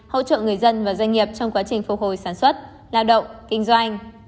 hỗ trợ người dân và doanh nghiệp trong quá trình phục hồi sản xuất lao động kinh doanh